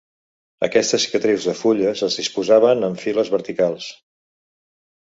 Aquestes cicatrius de fulles es disposaven en files verticals.